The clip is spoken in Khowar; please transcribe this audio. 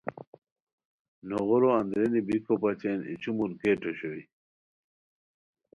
نوغورو اندرینی بیکوبچین ای چُمور گیٹ اوشوئے